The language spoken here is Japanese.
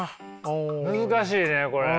難しいねこれ。